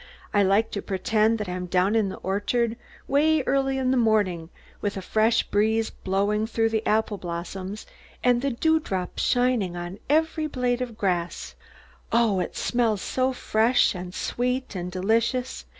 I like to pretend that I'm down in the orchard, way early in the morning, with a fresh breeze blowing through the apple blossoms and the dewdrops shining on every blade of grass. Oh, it smells so fresh and sweet and delicious!